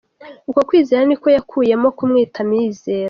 Uko kwizera niko yakuyeho kumwita Mizero.